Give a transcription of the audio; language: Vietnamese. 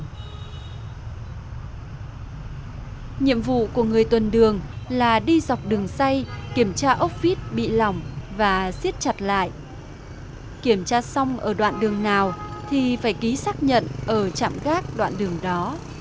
trong nhiệm vụ của mình nhân viên gác chắn tàu còn được ký xác nhận ở chạm gác đoạn đường đó